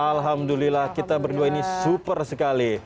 alhamdulillah kita berdua ini super sekali